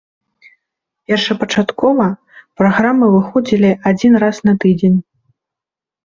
Першапачаткова праграмы выходзілі адзін раз на тыдзень.